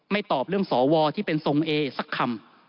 ไม่ตอบเรื่องศวที่เป็นงศศซักคำ